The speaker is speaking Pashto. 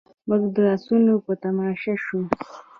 موږ د اسونو په تماشه شوو.